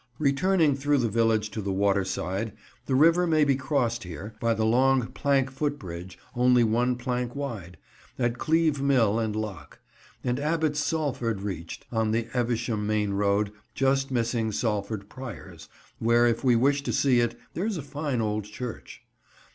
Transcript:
Returning through the village to the waterside, the river may be crossed here, by the long plank footbridge, only one plank wide, at Cleeve Mill and lock; and Abbot's Salford reached, on the Evesham main road, just missing Salford Priors, where, if we wish to see it, there is a fine old church.